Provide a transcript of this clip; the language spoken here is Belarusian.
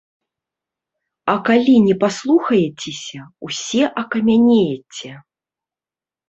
А калі не паслухаецеся, усе акамянееце.